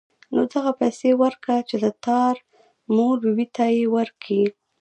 نو دغه پيسې ورکه چې د تا مور بي بي ته يې ورکي.